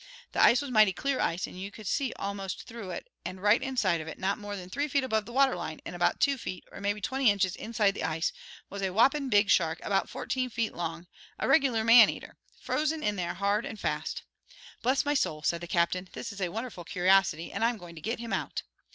The ice was mighty clear ice, and you could see almost through it, and right inside of it, not more than three feet above the water line, and about two feet, or maybe twenty inches, inside the ice, was a whopping big shark, about fourteen feet long, a regular man eater, frozen in there hard and fast. 'Bless my soul,' said the captain, 'this is a wonderful curiosity, and I'm going to git him out.'